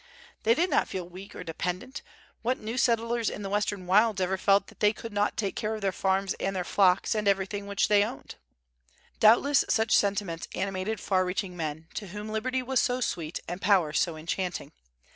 They did not feel weak or dependent; what new settlers in the Western wilds ever felt that they could not take care of their farms and their flocks and everything which they owned? Doubtless such sentiments animated far reaching men, to whom liberty was so sweet, and power so enchanting.